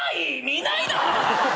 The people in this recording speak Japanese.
「見ない」だ！